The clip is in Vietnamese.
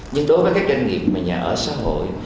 nhưng đối với các doanh nghiệp mà nhà ở xã hội